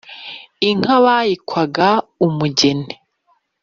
inka bayikwaga umugeni.